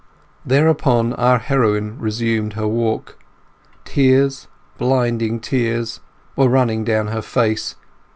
Thereupon our heroine resumed her walk. Tears, blinding tears, were running down her face.